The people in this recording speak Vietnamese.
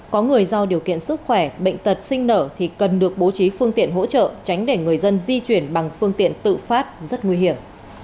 có người do điều kiện sức khỏe bệnh tật sinh nở thì cần được bố trí phương tiện hỗ trợ tránh để người dân di chuyển bằng phương tiện tự phát rất nguy hiểm